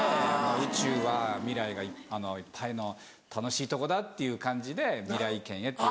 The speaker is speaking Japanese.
宇宙は未来がいっぱいの楽しいとこだっていう感じで「未来圏へ」って。